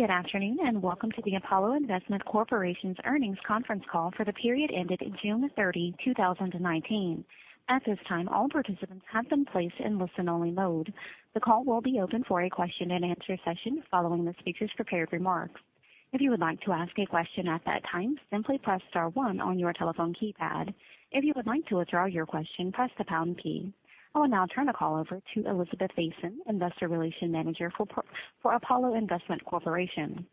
Good afternoon. Welcome to the Apollo Investment Corporation's earnings conference call for the period ending June 30, 2019. At this time, all participants have been placed in listen-only mode. The call will be open for a question-and-answer session following the speakers' prepared remarks. If you would like to ask a question at that time, simply press star one on your telephone keypad. If you would like to withdraw your question, press the pound key. I will now turn the call over to Elizabeth Besen, Investor Relations Manager for Apollo Investment Corporation.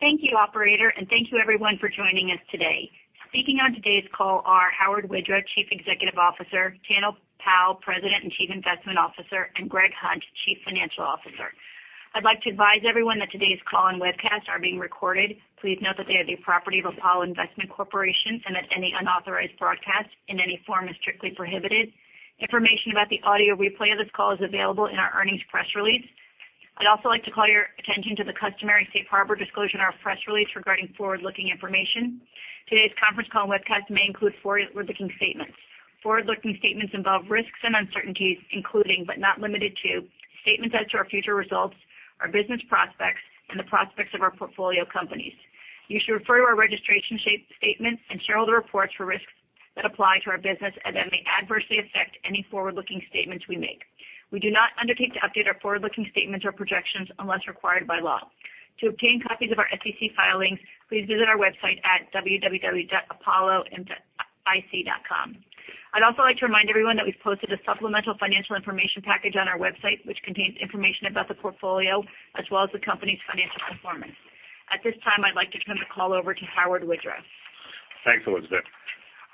Thank you, operator, and thank you everyone for joining us today. Speaking on today's call are Howard Widra, Chief Executive Officer; Tanner Powell, President and Chief Investment Officer; and Gregory Hunt, Chief Financial Officer. I'd like to advise everyone that today's call and webcast are being recorded. Please note that they are the property of Apollo Investment Corporation, and that any unauthorized broadcast in any form is strictly prohibited. Information about the audio replay of this call is available in our earnings press release. I'd also like to call your attention to the customary safe harbor disclosure in our press release regarding forward-looking information. Today's conference call and webcast may include forward-looking statements. Forward-looking statements involve risks and uncertainties, including but not limited to, statements as to our future results, our business prospects, and the prospects of our portfolio companies. You should refer to our registration statements and shareholder reports for risks that apply to our business and that may adversely affect any forward-looking statements we make. We do not undertake to update our forward-looking statements or projections unless required by law. To obtain copies of our SEC filings, please visit our website at www.apolloic.com. I'd also like to remind everyone that we've posted a supplemental financial information package on our website, which contains information about the portfolio, as well as the company's financial performance. At this time, I'd like to turn the call over to Howard Widra. Thanks, Elizabeth.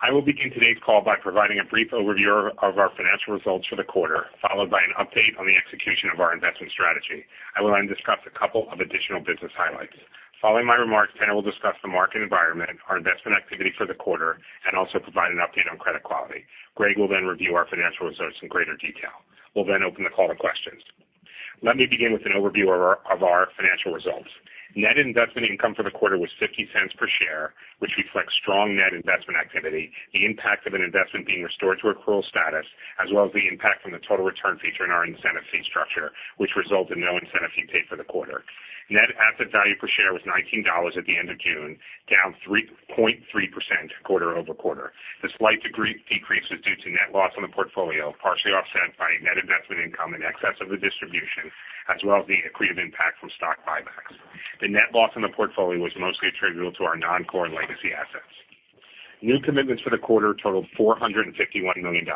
I will begin today's call by providing a brief overview of our financial results for the quarter, followed by an update on the execution of our investment strategy. I will then discuss a couple of additional business highlights. Following my remarks, Tanner will discuss the market environment, our investment activity for the quarter, and also provide an update on credit quality. Greg will then review our financial results in greater detail. We'll open the call to questions. Let me begin with an overview of our financial results. Net investment income for the quarter was $0.50 per share, which reflects strong net investment activity, the impact of an investment being restored to accrual status, as well as the impact from the total return feature in our incentive fee structure, which resulted in no incentive fee paid for the quarter. Net asset value per share was $19 at the end of June, down 3.3% quarter-over-quarter. The slight decrease was due to net loss on the portfolio, partially offset by net investment income in excess of the distribution, as well as the accretive impact from stock buybacks. The net loss on the portfolio was mostly attributable to our non-core legacy assets. New commitments for the quarter totaled $451 million.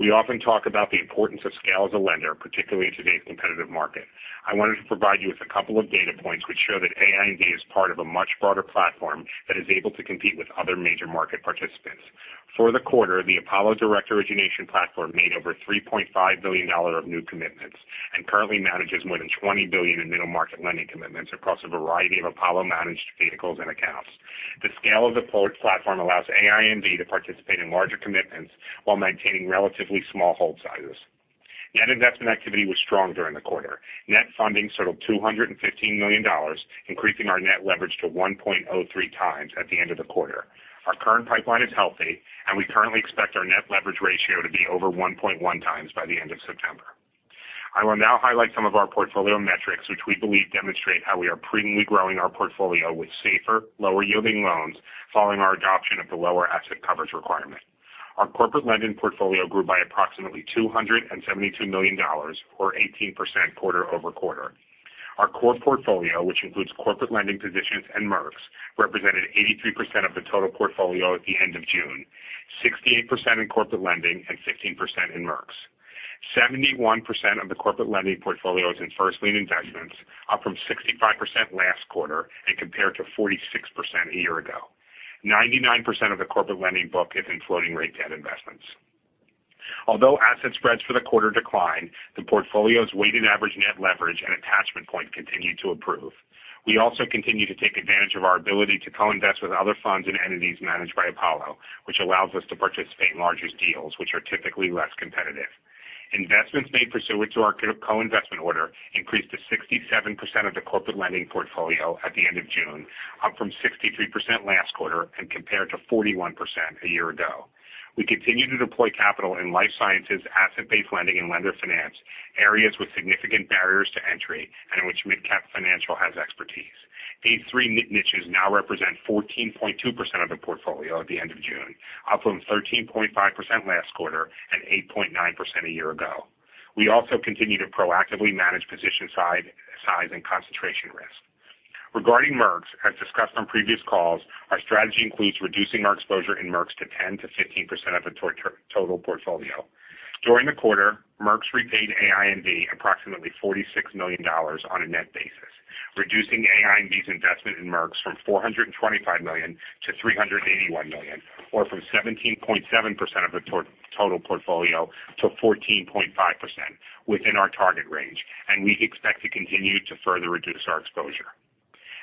We often talk about the importance of scale as a lender, particularly in today's competitive market. I wanted to provide you with a couple of data points which show that AINV is part of a much broader platform that is able to compete with other major market participants. For the quarter, the Apollo direct origination platform made over $3.5 billion of new commitments and currently manages more than $20 billion in middle market lending commitments across a variety of Apollo-managed vehicles and accounts. The scale of the platform allows AINV to participate in larger commitments while maintaining relatively small hold sizes. Net investment activity was strong during the quarter. Net funding totaled $215 million, increasing our net leverage to 1.03 times at the end of the quarter. Our current pipeline is healthy, and we currently expect our net leverage ratio to be over 1.1 times by the end of September. I will now highlight some of our portfolio metrics, which we believe demonstrate how we are prudently growing our portfolio with safer, lower-yielding loans following our adoption of the lower asset coverage requirement. Our corporate lending portfolio grew by approximately $272 million or 18% quarter-over-quarter. Our core portfolio, which includes corporate lending positions and Merx, represented 83% of the total portfolio at the end of June, 68% in corporate lending and 16% in Merx. Seventy-one percent of the corporate lending portfolio is in first-lien investments, up from 65% last quarter and compared to 46% a year ago. Ninety-nine percent of the corporate lending book is in floating rate debt investments. Although asset spreads for the quarter declined, the portfolio's weighted average net leverage and attachment point continued to improve. We also continue to take advantage of our ability to co-invest with other funds and entities managed by Apollo, which allows us to participate in larger deals, which are typically less competitive. Investments made pursuant to our co-investment order increased to 67% of the corporate lending portfolio at the end of June, up from 63% last quarter and compared to 41% a year ago. We continue to deploy capital in life sciences, asset-based lending, and lender finance, areas with significant barriers to entry and in which MidCap Financial has expertise. These three niches now represent 14.2% of the portfolio at the end of June, up from 13.5% last quarter and 8.9% a year ago. We also continue to proactively manage position size and concentration risk. Regarding Merx, as discussed on previous calls, our strategy includes reducing our exposure in Merx to 10%-15% of the total portfolio. During the quarter, Merx repaid AINV approximately $46 million on a net basis, reducing AINV's investment in Merx from $425 million to $381 million, or from 17.7% of the total portfolio to 14.5%, within our target range. We expect to continue to further reduce our exposure.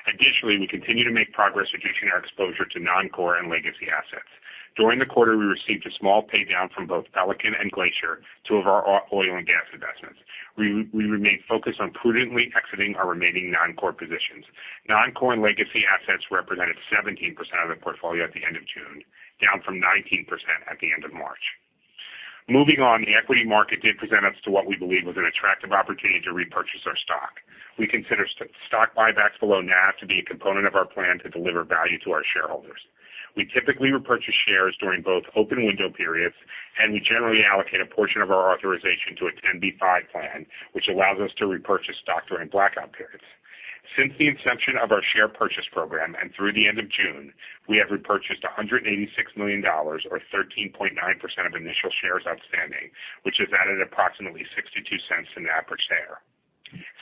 Additionally, we continue to make progress reducing our exposure to non-core and legacy assets. During the quarter, we received a small paydown from both Pelican and Glacier, two of our oil and gas investments. We remain focused on prudently exiting our remaining non-core positions. Non-core and legacy assets represented 17% of the portfolio at the end of June, down from 19% at the end of March. Moving on, the equity market did present us to what we believe was an attractive opportunity to repurchase our stock. We consider stock buybacks below NAV to be a component of our plan to deliver value to our shareholders. We typically repurchase shares during both open window periods, and we generally allocate a portion of our authorization to a 10b5 plan, which allows us to repurchase stock during blackout periods. Since the inception of our share purchase program and through the end of June, we have repurchased $186 million or 13.9% of initial shares outstanding, which has added approximately $0.62 an average share.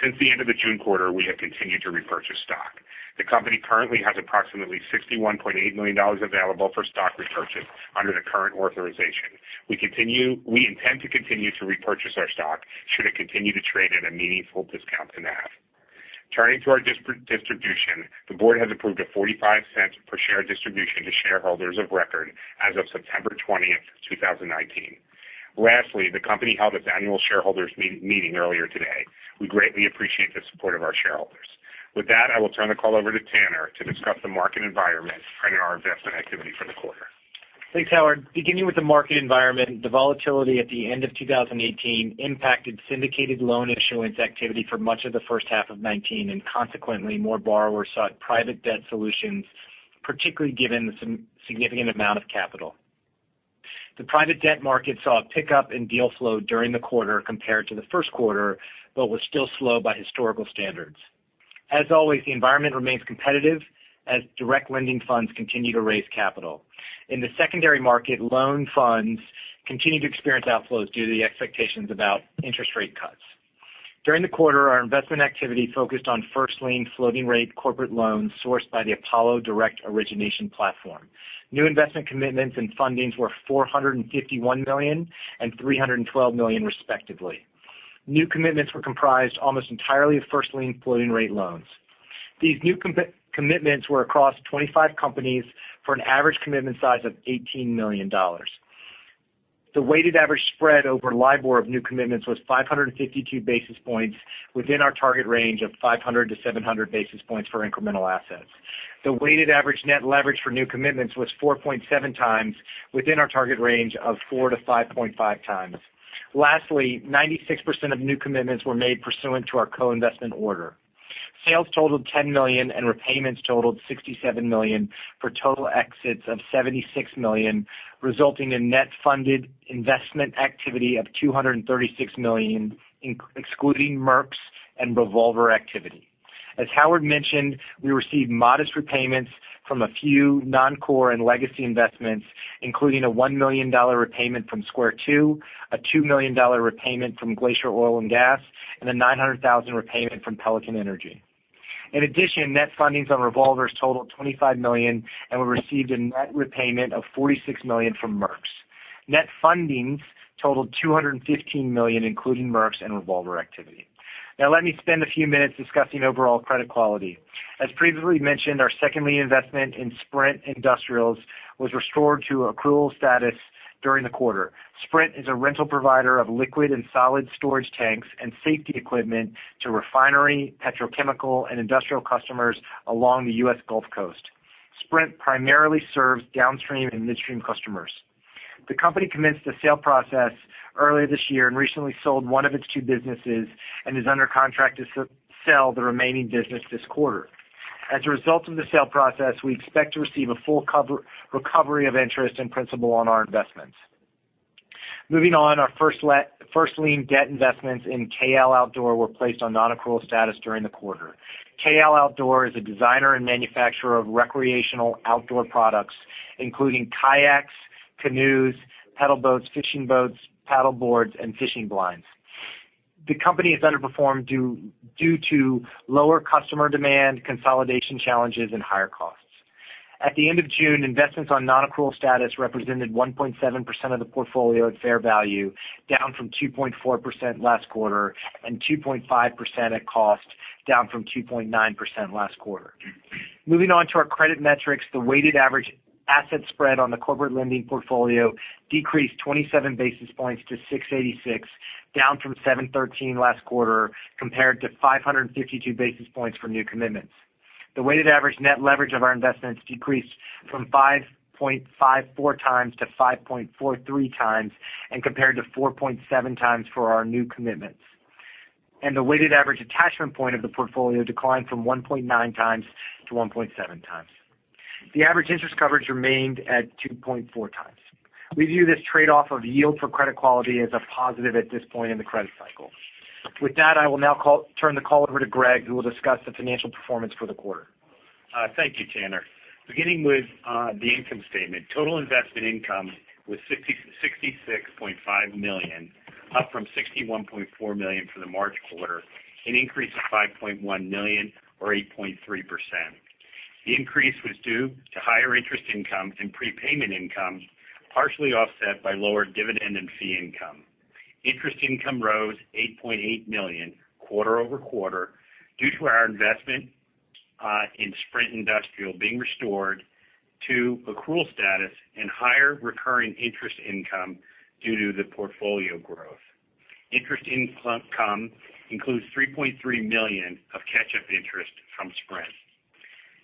Since the end of the June quarter, we have continued to repurchase stock. The company currently has approximately $61.8 million available for stock repurchase under the current authorization. We intend to continue to repurchase our stock should it continue to trade at a meaningful discount to NAV. Turning to our distribution, the board has approved a $0.45 per share distribution to shareholders of record as of September 20th, 2019. Lastly, the company held its annual shareholders meeting earlier today. We greatly appreciate the support of our shareholders. With that, I will turn the call over to Tanner to discuss the market environment and our investment activity for the quarter. Thanks, Howard. Beginning with the market environment, the volatility at the end of 2018 impacted syndicated loan issuance activity for much of the first half of 2019, and consequently, more borrowers sought private debt solutions, particularly given the significant amount of capital. The private debt market saw a pickup in deal flow during the quarter compared to the first quarter, but was still slow by historical standards. As always, the environment remains competitive as direct lending funds continue to raise capital. In the secondary market, loan funds continue to experience outflows due to the expectations about interest rate cuts. During the quarter, our investment activity focused on first lien floating rate corporate loans sourced by the Apollo direct origination platform. New investment commitments and fundings were $451 million and $312 million respectively. New commitments were comprised almost entirely of first lien floating rate loans. These new commitments were across 25 companies for an average commitment size of $18 million. The weighted average spread over LIBOR of new commitments was 552 basis points within our target range of 500-700 basis points for incremental assets. The weighted average net leverage for new commitments was 4.7 times within our target range of 4-5.5 times. Lastly, 96% of new commitments were made pursuant to our co-investment order. Sales totaled $10 million and repayments totaled $67 million for total exits of $76 million, resulting in net funded investment activity of $236 million, excluding Merx and revolver activity. As Howard mentioned, we received modest repayments from a few non-core and legacy investments, including a $1 million repayment from SquareTwo, a $2 million repayment from Glacier Oil & Gas, and a $900,000 repayment from Pelican Energy Partners. Net fundings on revolvers totaled $25 million, and we received a net repayment of $46 million from Merx. Net fundings totaled $215 million, including Merx and revolver activity. Let me spend a few minutes discussing overall credit quality. As previously mentioned, our second lien investment in Sprint Industrial was restored to accrual status during the quarter. Sprint is a rental provider of liquid and solid storage tanks and safety equipment to refinery, petrochemical, and industrial customers along the U.S. Gulf Coast. Sprint primarily serves downstream and midstream customers. The company commenced the sale process earlier this year and recently sold one of its two businesses and is under contract to sell the remaining business this quarter. As a result of the sale process, we expect to receive a full recovery of interest and principal on our investments. Moving on, our first lien debt investments in KL Outdoor were placed on non-accrual status during the quarter. KL Outdoor is a designer and manufacturer of recreational outdoor products, including kayaks, canoes, pedal boats, fishing boats, paddle boards, and fishing blinds. The company has underperformed due to lower customer demand, consolidation challenges, and higher costs. At the end of June, investments on non-accrual status represented 1.7% of the portfolio at fair value, down from 2.4% last quarter, and 2.5% at cost, down from 2.9% last quarter. Moving on to our credit metrics. The weighted average asset spread on the corporate lending portfolio decreased 27 basis points to 686, down from 713 last quarter compared to 552 basis points for new commitments. The weighted average net leverage of our investments decreased from 5.54 times to 5.43 times and compared to 4.7 times for our new commitments. The weighted average attachment point of the portfolio declined from 1.9 times to 1.7 times. The average interest coverage remained at 2.4 times. We view this trade-off of yield for credit quality as a positive at this point in the credit cycle. With that, I will now turn the call over to Greg, who will discuss the financial performance for the quarter. Thank you, Tanner. Beginning with the income statement. Total investment income was $66.5 million, up from $61.4 million for the March quarter, an increase of $5.1 million or 8.3%. The increase was due to higher interest income and prepayment income, partially offset by lower dividend and fee income. Interest income rose $8.8 million quarter-over-quarter due to our investment in Sprint Industrial being restored to accrual status and higher recurring interest income due to the portfolio growth. Interest income includes $3.3 million of catch-up interest from Sprint.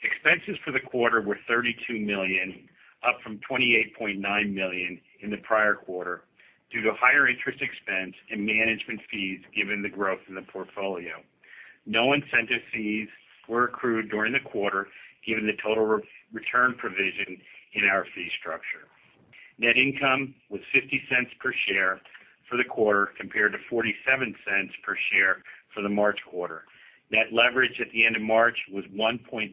Expenses for the quarter were $32 million, up from $28.9 million in the prior quarter due to higher interest expense and management fees given the growth in the portfolio. No incentive fees were accrued during the quarter given the total return provision in our fee structure. Net income was $0.50 per share for the quarter compared to $0.47 per share for the March quarter. Net leverage at the end of March was 1.03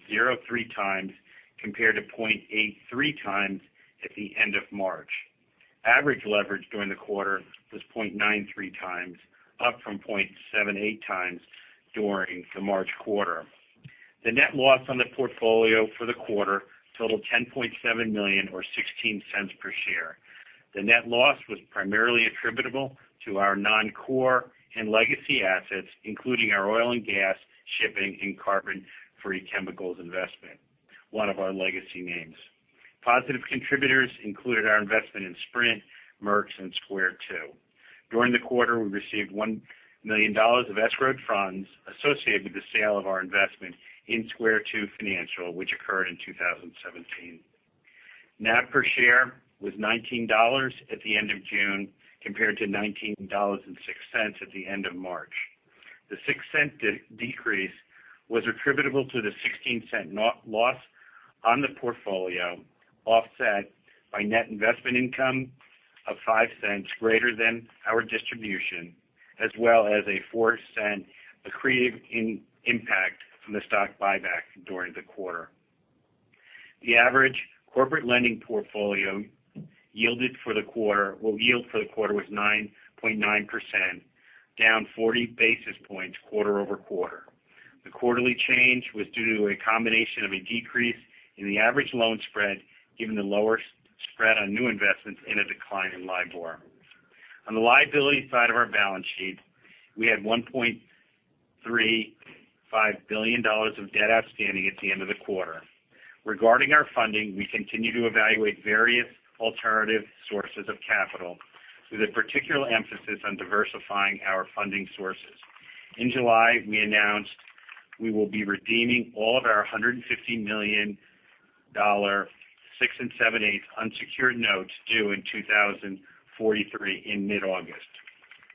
times, compared to 0.83 times at the end of March. Average leverage during the quarter was 0.93 times, up from 0.78 times during the March quarter. The net loss on the portfolio for the quarter totaled $10.7 million or $0.16 per share. The net loss was primarily attributable to our non-core and legacy assets, including our oil and gas, shipping and CarbonFree Chemicals investment, one of our legacy names. Positive contributors included our investment in Sprint, Merx and SquareTwo. During the quarter, we received $1 million of escrowed funds associated with the sale of our investment in SquareTwo Financial, which occurred in 2017. NAV per share was $19 at the end of June, compared to $19.06 at the end of March. The $0.06 decrease was attributable to the $0.16 loss on the portfolio, offset by net investment income of $0.05 greater than our distribution, as well as a $0.04 accretive impact from the stock buyback during the quarter. The average corporate lending portfolio yield for the quarter was 9.9%, down 40 basis points quarter-over-quarter. The quarterly change was due to a combination of a decrease in the average loan spread, given the lower spread on new investments in a decline in LIBOR. On the liability side of our balance sheet, we had $1.35 billion of debt outstanding at the end of the quarter. Regarding our funding, we continue to evaluate various alternative sources of capital with a particular emphasis on diversifying our funding sources. In July, we announced we will be redeeming all of our $150 million six and seven eighths unsecured notes due in 2043 in mid-August.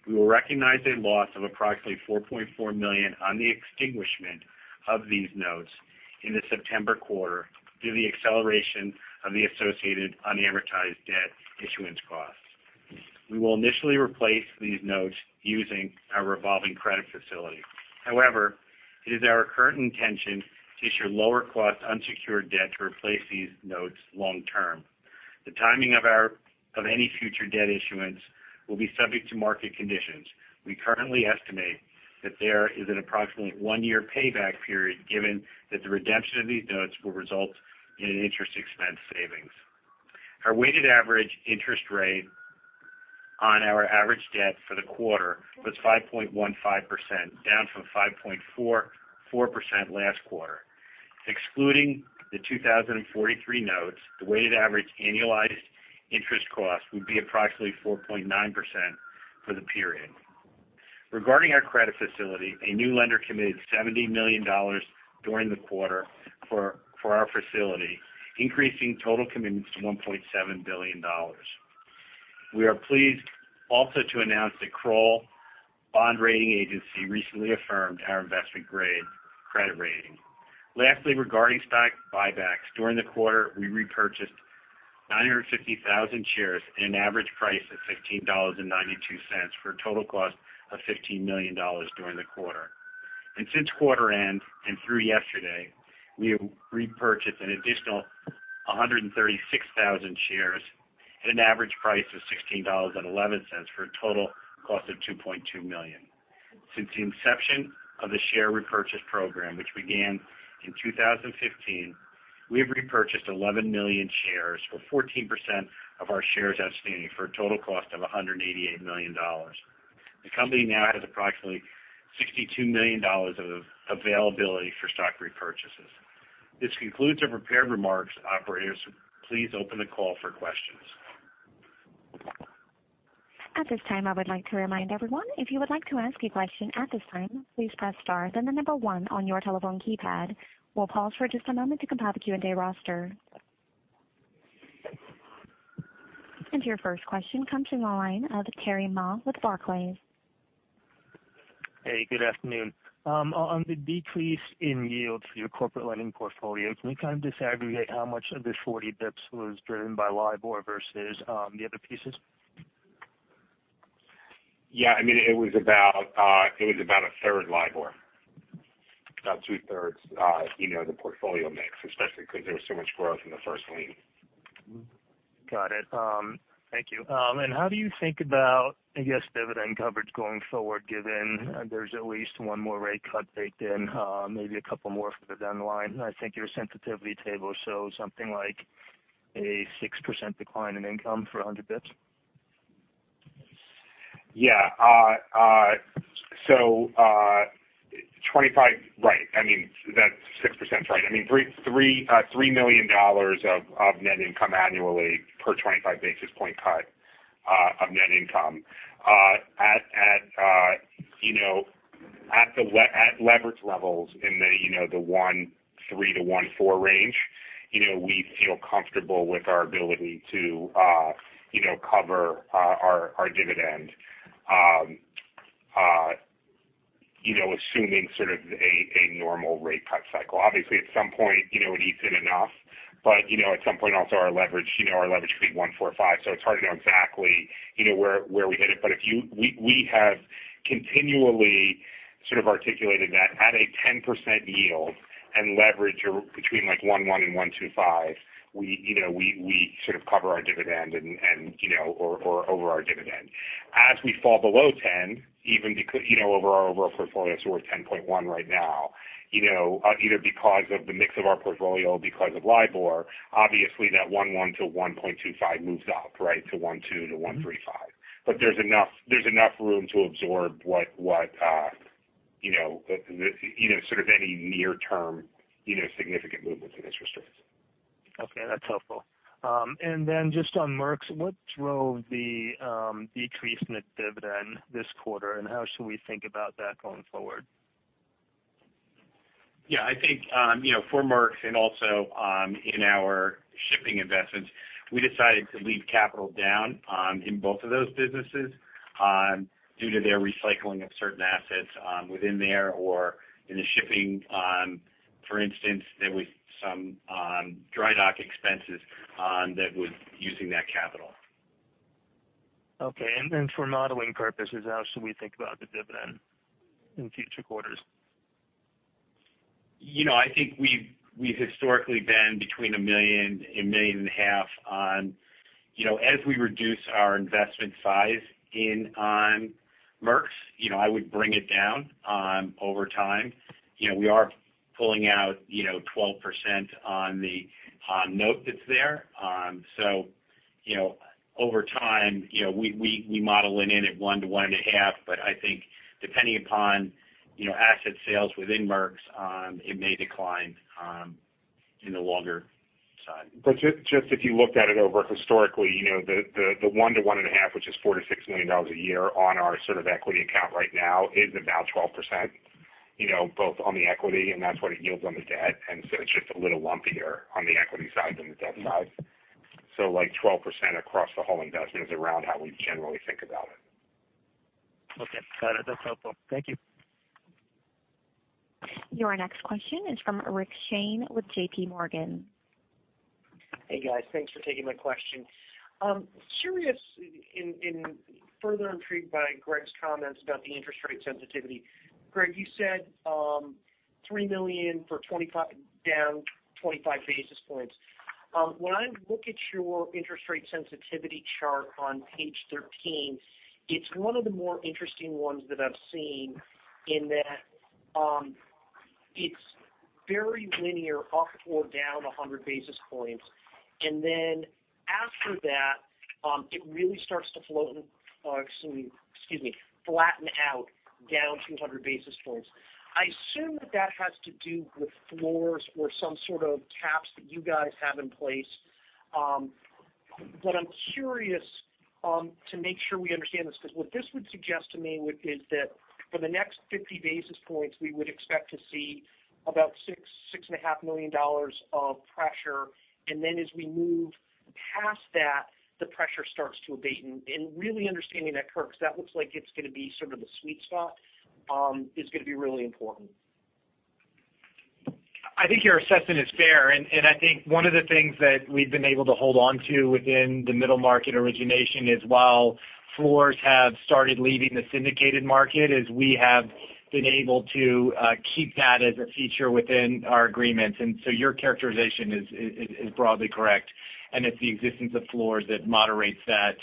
We will recognize a loss of approximately $4.4 million on the extinguishment of these notes in the September quarter due to the acceleration of the associated unamortized debt issuance costs. We will initially replace these notes using our revolving credit facility. It is our current intention to issue lower cost unsecured debt to replace these notes long term. The timing of any future debt issuance will be subject to market conditions. We currently estimate that there is an approximately one-year payback period given that the redemption of these notes will result in an interest expense savings. Our weighted average interest rate on our average debt for the quarter was 5.15%, down from 5.44% last quarter. Excluding the 2043 notes, the weighted average annualized interest cost would be approximately 4.9% for the period. Regarding our credit facility, a new lender committed $70 million during the quarter for our facility, increasing total commitments to $1.7 billion. We are pleased also to announce that Kroll Bond Rating Agency recently affirmed our investment-grade credit rating. Lastly, regarding stock buybacks, during the quarter, we repurchased 950,000 shares at an average price of $15.92 for a total cost of $15 million during the quarter. Since quarter end and through yesterday, we have repurchased an additional 136,000 shares at an average price of $16.11 for a total cost of $2.2 million. Since the inception of the share repurchase program, which began in 2015, we have repurchased 11 million shares or 14% of our shares outstanding for a total cost of $188 million. The company now has approximately $62 million of availability for stock repurchases. This concludes our prepared remarks. Operators, please open the call for questions. At this time, I would like to remind everyone, if you would like to ask a question at this time, please press star, then the number 1 on your telephone keypad. We'll pause for just a moment to compile the Q&A roster. Your first question comes from the line of Terry Ma with Barclays. Hey, good afternoon. On the decrease in yields for your corporate lending portfolio, can you kind of disaggregate how much of the 40 basis points was driven by LIBOR versus the other pieces? Yeah. It was about a third LIBOR. About two-thirds, the portfolio mix, especially because there was so much growth in the first lien. Got it. Thank you. How do you think about, I guess, dividend coverage going forward, given there's at least one more rate cut baked in, maybe a couple more further down the line? I think your sensitivity table shows something like a 6% decline in income for 100 basis points. Yeah. Right. That 6%'s right. $3 million of net income annually per 25 basis point cut. Of net income. At leverage levels in the 1.3-1.4 range, we feel comfortable with our ability to cover our dividend assuming sort of a normal rate cut cycle. At some point, it eats in enough. At some point, also our leverage could be 1.45, so it's hard to know exactly where we hit it. We have continually sort of articulated that at a 10% yield and leverage between 1.1 and 1.25, we sort of cover our dividend or over our dividend. As we fall below 10%, over our portfolio, so we're at 10.1% right now, either because of the mix of our portfolio or because of LIBOR, obviously that 1.1-1.25 moves up to 1.2-1.35. There's enough room to absorb sort of any near-term significant movements in interest rates. Okay, that's helpful. Just on Merx, what drove the decrease in the dividend this quarter, and how should we think about that going forward? Yeah. I think for Merx and also in our shipping investments, we decided to leave capital down in both of those businesses due to their recycling of certain assets within there or in the shipping. For instance, there was some dry dock expenses that was using that capital. Okay. For modeling purposes, how should we think about the dividend in future quarters? I think we've historically been between $1 million and $1.5 million. As we reduce our investment size in Merx, I would bring it down over time. We are pulling out 12% on the note that's there. Over time, we model it in at 1 to 1.5. I think depending upon asset sales within Merx, it may decline in the longer side. Just if you looked at it over historically, the 1 to 1.5, which is $4 million to $6 million a year on our sort of equity account right now is about 12%, both on the equity, and that's what it yields on the debt. It's just a little lumpier on the equity side than the debt side. Like 12% across the whole investment is around how we generally think about it. Okay. Got it. That's helpful. Thank you. Your next question is from Richard Shane with JP Morgan. Hey, guys. Thanks for taking my question. Curious and further intrigued by Greg's comments about the interest rate sensitivity. Greg, you said $3 million down 25 basis points. When I look at your interest rate sensitivity chart on page 13, it's one of the more interesting ones that I've seen in that it's very linear up or down 100 basis points. After that, it really starts to flatten out down 200 basis points. I assume that that has to do with floors or some sort of caps that you guys have in place. I'm curious to make sure we understand this because what this would suggest to me is that for the next 50 basis points, we would expect to see about $6.5 million of pressure. As we move past that, the pressure starts to abate. Really understanding that curve because that looks like it's going to be sort of the sweet spot is going to be really important. I think your assessment is fair. I think one of the things that we've been able to hold onto within the middle market origination is while floors have started leaving the syndicated market, is we have been able to keep that as a feature within our agreements. Your characterization is broadly correct. It's the existence of floors that moderates that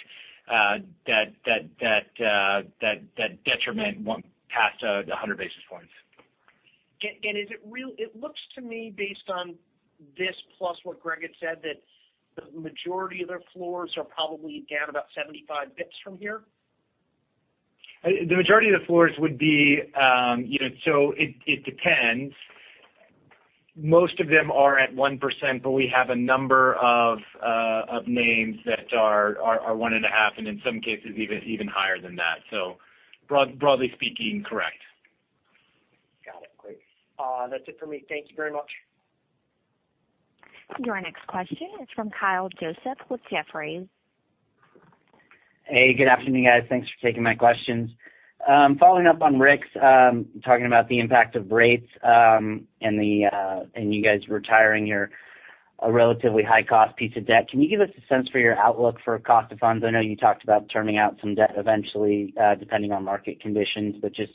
detriment past 100 basis points. It looks to me based on this plus what Greg had said, that the majority of their floors are probably down about 75 basis points from here? The majority of the floors, it depends. Most of them are at 1%, but we have a number of names that are 1.5% and in some cases even higher than that. Broadly speaking, correct. Got it. Great. That's it for me. Thank you very much. Your next question is from Kyle Joseph with Jefferies. Hey, good afternoon, guys. Thanks for taking my questions. Following up on Rick's talking about the impact of rates and you guys retiring your relatively high-cost piece of debt. Can you give us a sense for your outlook for cost of funds? I know you talked about turning out some debt eventually depending on market conditions, just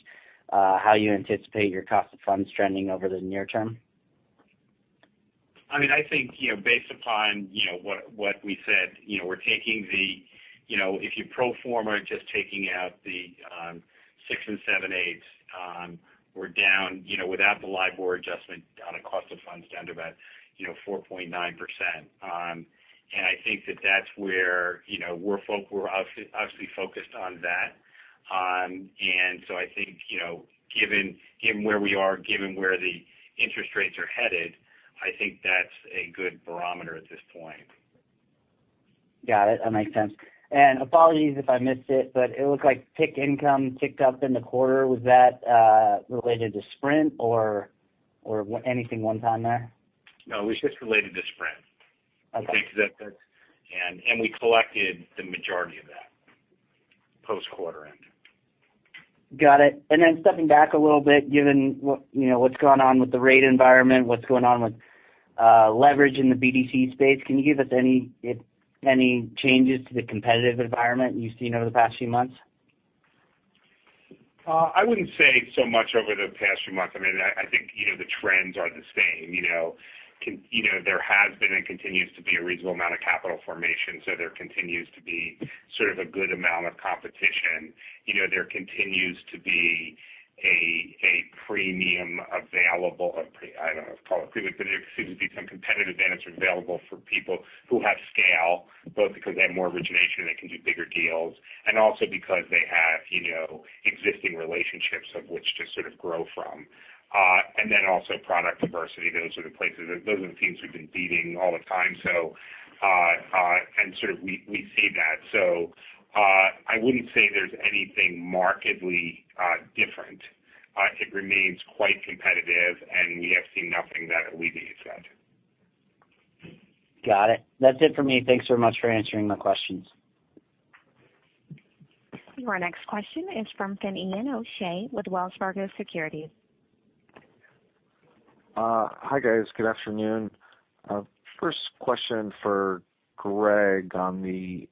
how you anticipate your cost of funds trending over the near term. I think based upon what we said, if you pro forma it, just taking out the six and seven eights, without the LIBOR adjustment on a cost of funds down to about 4.9%. I think that that's where we're obviously focused on that. I think, given where we are, given where the interest rates are headed, I think that's a good barometer at this point. Got it. That makes sense. Apologies if I missed it, but it looked like PIK income ticked up in the quarter. Was that related to Sprint or anything one time there? No, it was just related to Sprint. Okay. We collected the majority of that post-quarter end. Got it. Stepping back a little bit, given what's going on with the rate environment, what's going on with leverage in the BDC space, can you give us any changes to the competitive environment you've seen over the past few months? I wouldn't say so much over the past few months. I think the trends are the same. There has been and continues to be a reasonable amount of capital formation. There continues to be sort of a good amount of competition. There continues to be a premium available, or I don't know if call it a premium, but it seems to be some competitive advantage available for people who have scale, both because they have more origination, they can do bigger deals, and also because they have existing relationships of which to sort of grow from. Also product diversity, those are the places, those are the themes we've been beating all the time. We see that. I wouldn't say there's anything markedly different. It remains quite competitive, and we have seen nothing that would be a threat. Got it. That's it for me. Thanks so much for answering my questions. Our next question is from Finian O'Shea with Wells Fargo Securities. Hi, guys. Good afternoon. First question for Greg on the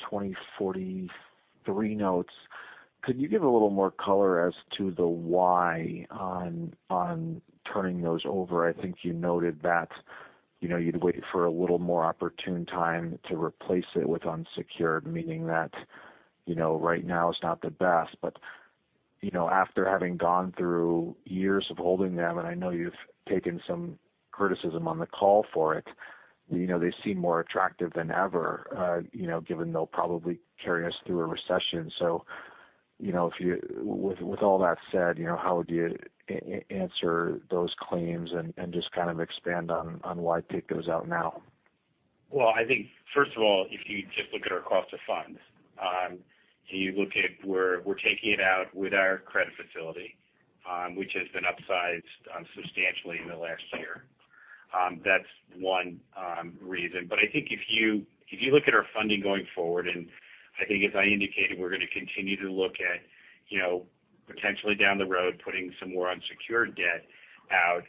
2043 notes. Could you give a little more color as to the why on turning those over? I think you noted that you'd wait for a little more opportune time to replace it with unsecured, meaning that right now is not the best. After having gone through years of holding them, and I know you've taken some criticism on the call for it, they seem more attractive than ever, given they'll probably carry us through a recession. With all that said, how would you answer those claims and just kind of expand on why take those out now? Well, I think, first of all, if you just look at our cost of funds, you look at where we're taking it out with our credit facility, which has been upsized substantially in the last year. That's one reason. I think if you look at our funding going forward, and I think as I indicated, we're going to continue to look at potentially down the road, putting some more unsecured debt out.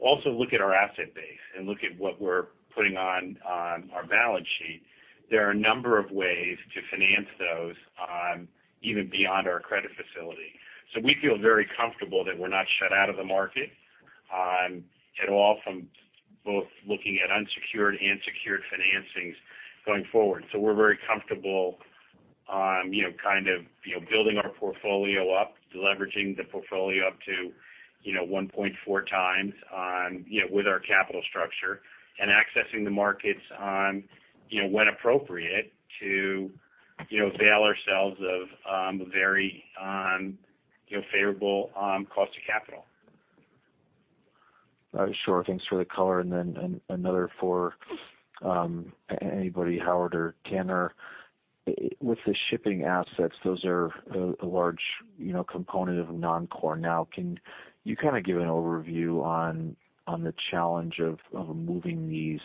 Also look at our asset base and look at what we're putting on our balance sheet. There are a number of ways to finance those even beyond our credit facility. We feel very comfortable that we're not shut out of the market at all from both looking at unsecured and secured financings going forward. We're very comfortable building our portfolio up, leveraging the portfolio up to 1.4 times with our capital structure and accessing the markets when appropriate to avail ourselves of a very favorable cost of capital. Sure. Thanks for the color, another for anybody, Howard or Tanner. With the shipping assets, those are a large component of non-core. Can you kind of give an overview on the challenge of moving these?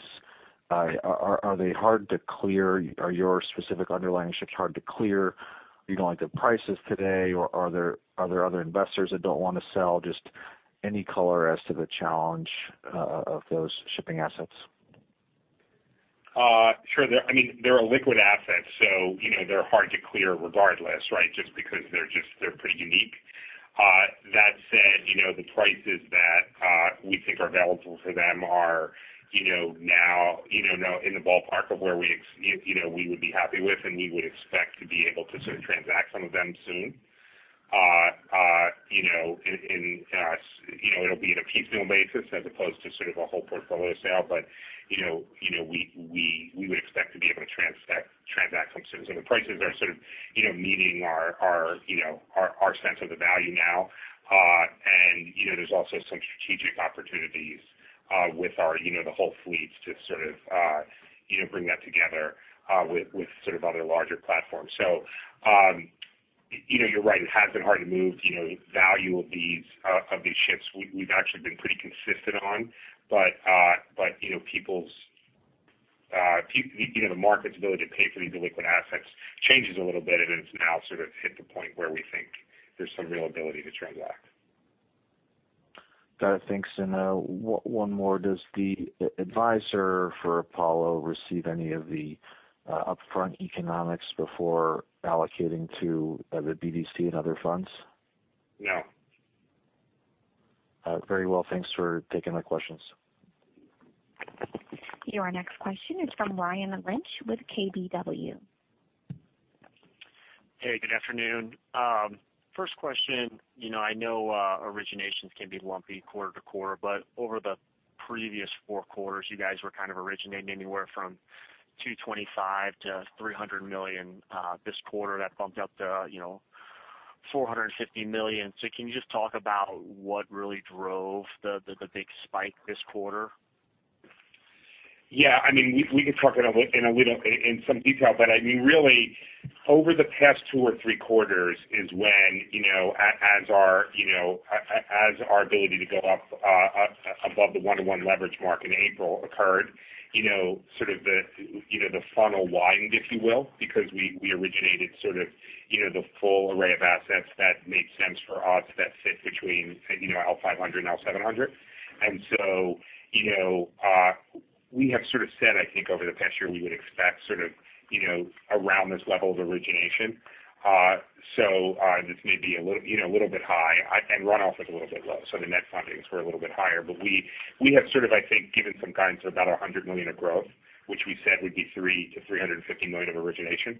Are they hard to clear? Are your specific underlying ships hard to clear? You don't like the prices today, or are there other investors that don't want to sell? Just any color as to the challenge of those shipping assets. Sure. They're a liquid asset, they're hard to clear regardless, right? Just because they're pretty unique. That said, the prices that we think are available for them are now in the ballpark of where we would be happy with. We would expect to be able to sort of transact some of them soon. It'll be in a piecemeal basis as opposed to sort of a whole portfolio sale. We would expect to be able to transact some soon. The prices are sort of meeting our sense of the value now. There's also some strategic opportunities with the whole fleet to sort of bring that together with sort of other larger platforms. You're right, it has been hard to move the value of these ships. We've actually been pretty consistent on, but the market's ability to pay for these liquid assets changes a little bit, and it's now sort of hit the point where we think there's some real ability to transact. Got it. Thanks. One more. Does the advisor for Apollo receive any of the upfront economics before allocating to the BDC and other funds? No. Very well. Thanks for taking my questions. Your next question is from Ryan Lynch with KBW. Hey, good afternoon. First question. I know originations can be lumpy quarter to quarter, but over the previous 4 quarters, you guys were originating anywhere from $225 million-$300 million. This quarter, that bumped up to $450 million. Can you just talk about what really drove the big spike this quarter? Yeah. We can talk in some detail, but really, over the past two or three quarters is when, as our ability to go up above the one-to-one leverage mark in April occurred, sort of the funnel widened, if you will, because we originated the full array of assets that made sense for us that fit between L 500 and L 700. We have said, I think, over the past year, we would expect around this level of origination. This may be a little bit high, and runoff is a little bit low. The net fundings were a little bit higher. We have, I think, given some guidance of about $100 million of growth, which we said would be $300 million-$350 million of origination.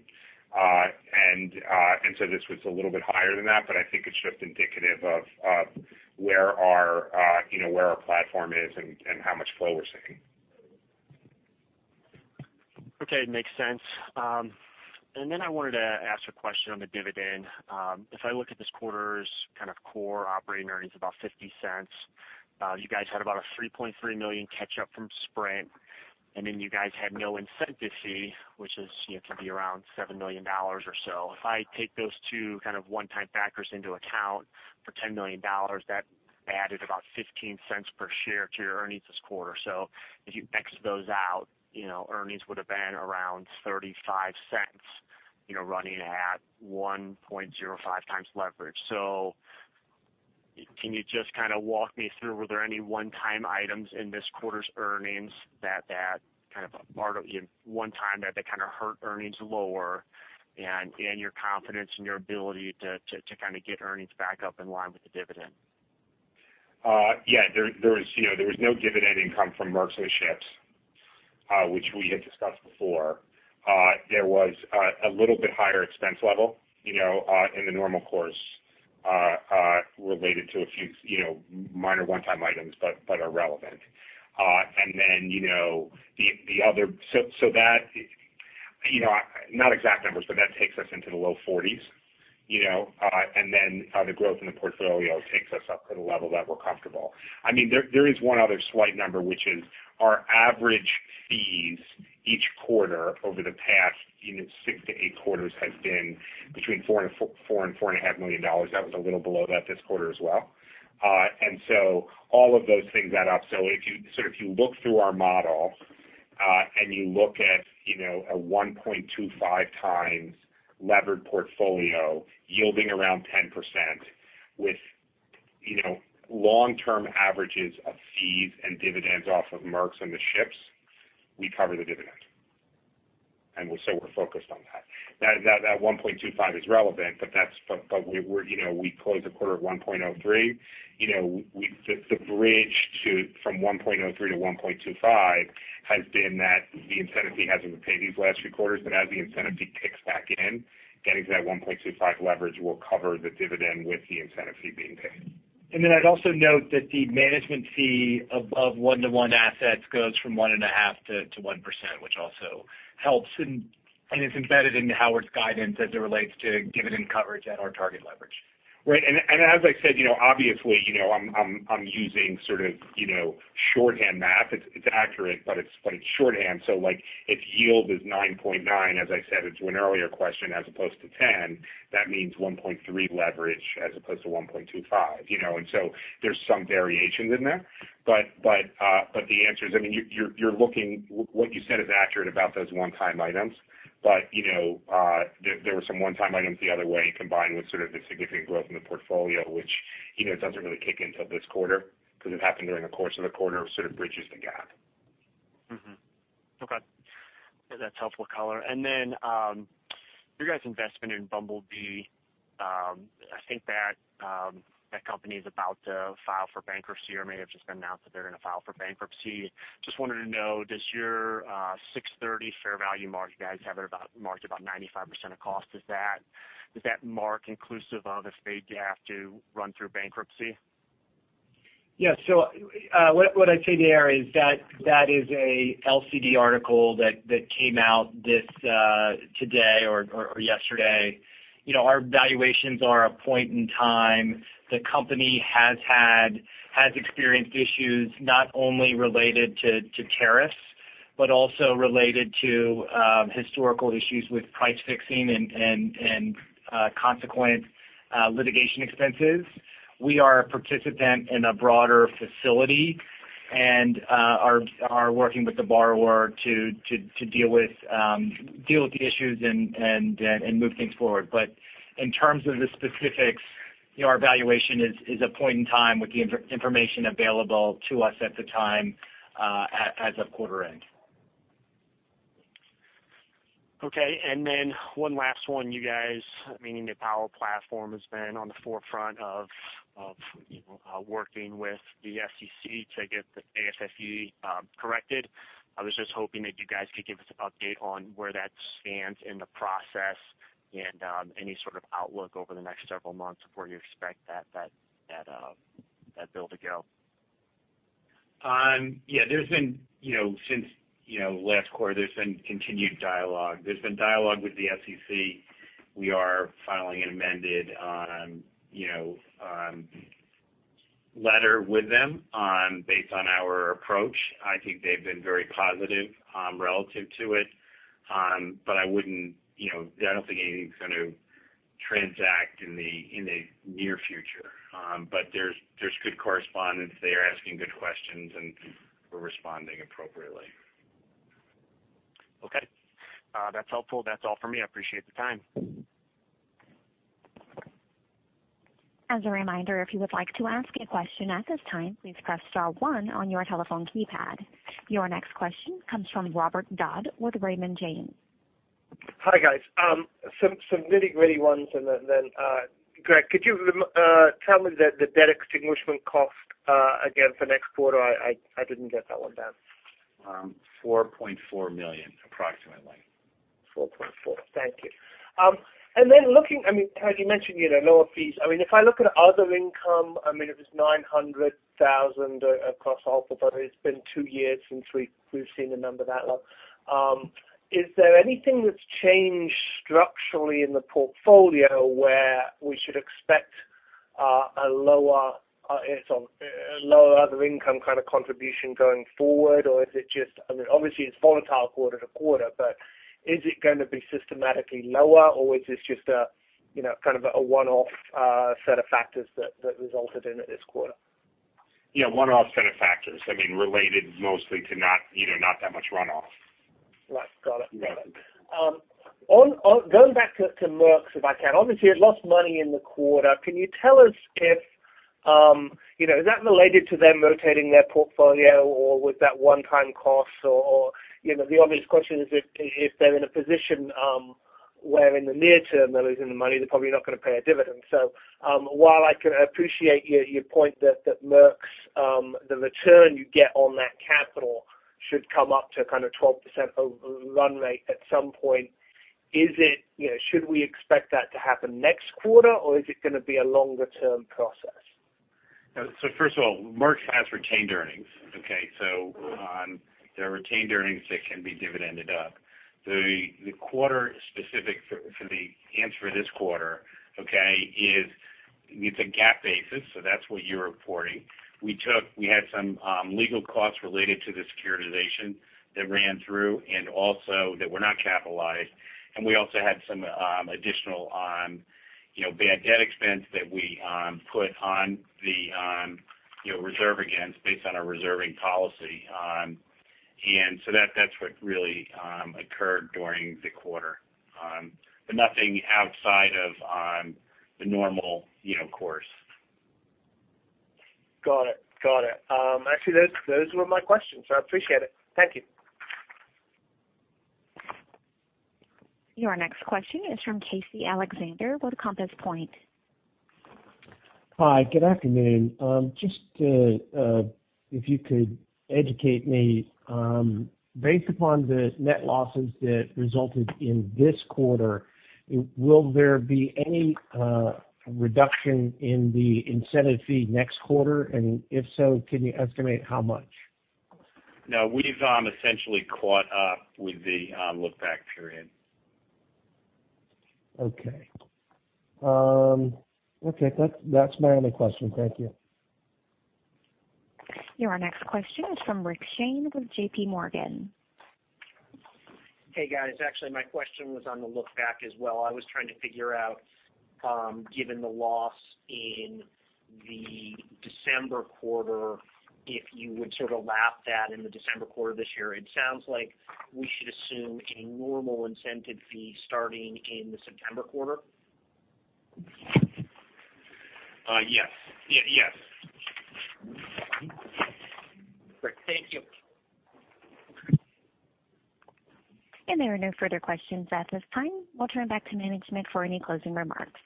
This was a little bit higher than that, but I think it's just indicative of where our platform is and how much flow we're seeing. Okay. Makes sense. Then I wanted to ask a question on the dividend. If I look at this quarter's core operating earnings, about $0.50. You guys had about a $3.3 million catch-up from Sprint, and then you guys had no incentive fee, which can be around $7 million or so. If I take those two kind of one-time factors into account for $10 million, that added about $0.15 per share to your earnings this quarter. If you X those out, earnings would've been around $0.35 running at 1.05 times leverage. Can you just kind of walk me through, were there any one-time items in this quarter's earnings that kind of hurt earnings lower and your confidence in your ability to get earnings back up in line with the dividend? Yeah. There was no dividend income from Merx, which we had discussed before. There was a little bit higher expense level in the normal course related to a few minor one-time items but are relevant. Not exact numbers, but that takes us into the low 40s, and then the growth in the portfolio takes us up to the level that we're comfortable. There is one other slight number, which is our average fees each quarter over the past six to eight quarters has been between $4 million and $4.5 million. That was a little below that this quarter as well. All of those things add up. If you look through our model, and you look at a 1.25x levered portfolio yielding around 10% with long-term averages of fees and dividends off of Merx and the ships, we cover the dividend, and so we're focused on that. That 1.25 is relevant, we closed the quarter at 1.03. The bridge from 1.03 to 1.25 has been that the incentive fee hasn't been paid these last few quarters. As the incentive fee kicks back in, getting to that 1.25 leverage will cover the dividend with the incentive fee being paid. I'd also note that the management fee of one-to-one assets goes from 1.5% to 1%, which also helps and is embedded into Howard's guidance as it relates to dividend coverage at our target leverage. Right. As I said, obviously, I'm using sort of shorthand math. It's accurate, but it's shorthand. If yield is 9.9, as I said into an earlier question, as opposed to 10, that means 1.3 leverage as opposed to 1.25. There's some variations in there. The answer is, what you said is accurate about those one-time items. There were some one-time items the other way combined with sort of the significant growth in the portfolio, which doesn't really kick in till this quarter because it happened during the course of the quarter, sort of bridges the gap. Okay. That's helpful color. Your guys' investment in Bumble Bee, I think that company is about to file for bankruptcy or may have just announced that they're going to file for bankruptcy. Just wanted to know, does your $630 fair value mark, you guys have it marked about 95% of cost, is that mark inclusive of if they have to run through bankruptcy? Yeah. What I'd say there is that is a LCD article that came out today or yesterday. Our valuations are a point in time. The company has experienced issues not only related to tariffs but also related to historical issues with price fixing and consequent litigation expenses. We are a participant in a broader facility and are working with the borrower to deal with the issues and move things forward. In terms of the specifics, our valuation is a point in time with the information available to us at the time as of quarter end. Okay. One last one. You guys, meaning the Apollo platform, has been on the forefront of working with the SEC to get the ASFE corrected. I was just hoping that you guys could give us an update on where that stands in the process and any sort of outlook over the next several months of where you expect that bill to go. Yeah. Since last quarter, there's been continued dialogue. There's been dialogue with the SEC. We are filing an amended letter with them based on our approach. I think they've been very positive relative to it. I don't think anything's going to transact in the near future. There's good correspondence. They are asking good questions, and we're responding appropriately. Okay. That's helpful. That's all for me. I appreciate the time. As a reminder, if you would like to ask a question at this time, please press star one on your telephone keypad. Your next question comes from Robert Dodd with Raymond James. Hi, guys. Some nitty-gritty ones, and then, Greg, could you tell me the debt extinguishment cost again for next quarter? I didn't get that one down. $4.4 million, approximately. Thank you. Looking, Greg, you mentioned lower fees. If I look at other income, it was $900,000 across all the quarters. It's been two years since we've seen a number that low. Is there anything that's changed structurally in the portfolio where we should expect a lower other income kind of contribution going forward? Obviously, it's volatile quarter to quarter, but is it going to be systematically lower, or is this just kind of a one-off set of factors that resulted in it this quarter? Yeah, one-off set of factors. Related mostly to not that much runoff. Right. Got it. Going back to Merx, if I can. Obviously, it lost money in the quarter. Can you tell us is that related to them rotating their portfolio, or was that one-time costs? The obvious question is if they're in a position where in the near term they're losing the money, they're probably not going to pay a dividend. While I can appreciate your point that Merx, the return you get on that capital should come up to kind of 12% run rate at some point. Should we expect that to happen next quarter, or is it going to be a longer-term process? First of all, Merx has retained earnings. Okay? There are retained earnings that can be dividended up. The quarter specific for the answer this quarter is it's a GAAP basis, so that's what you're reporting. We had some legal costs related to the securitization that ran through that were not capitalized. We also had some additional bad debt expense that we put on the reserve against based on our reserving policy. That's what really occurred during the quarter. Nothing outside of the normal course. Got it. Actually, those were my questions, so I appreciate it. Thank you. Your next question is from Casey Alexander with Compass Point. Hi, good afternoon. Just if you could educate me. Based upon the net losses that resulted in this quarter, will there be any reduction in the incentive fee next quarter? If so, can you estimate how much? No, we've essentially caught up with the look-back period. Okay. That's my only question. Thank you. Your next question is from Richard Shane with JP Morgan. Hey, guys. Actually, my question was on the look-back as well. I was trying to figure out, given the loss in the December quarter, if you would sort of lap that in the December quarter this year. It sounds like we should assume a normal incentive fee starting in the September quarter? Yes. Great. Thank you. There are no further questions at this time. We'll turn back to management for any closing remarks.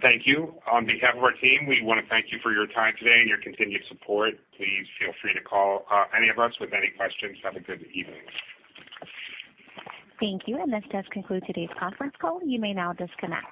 Thank you. On behalf of our team, we want to thank you for your time today and your continued support. Please feel free to call any of us with any questions. Have a good evening. Thank you. This does conclude today's conference call. You may now disconnect.